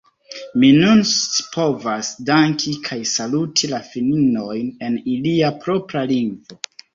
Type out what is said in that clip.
Mi nun scipovas danki kaj saluti la finnojn en ilia propra lingvo.